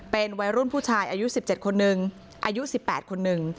เป็นวัยรุ่นผู้ชายอายุสิบเจ็ดคนหนึ่งอายุสิบแปดคนหนึ่ง